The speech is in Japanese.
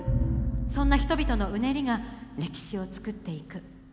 そんな人々のうねりが歴史をつくっていく。